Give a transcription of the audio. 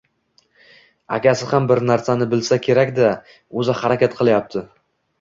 Akasi ham bir narsani bilsa kerak-da, o‘zi harakat qilyapti